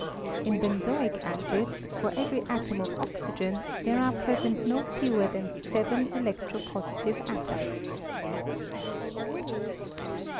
In benzoic acid, for every atom of oxygen, there are present no fewer than seven electro positive atoms.